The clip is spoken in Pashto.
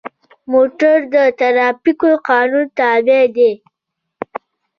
موټر د ټرافیکو قانون تابع دی.